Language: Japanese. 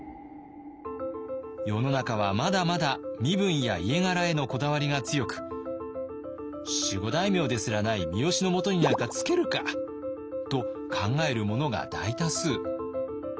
世の中はまだまだ身分や家柄へのこだわりが強く「守護大名ですらない三好のもとになんかつけるか！」と考える者が大多数。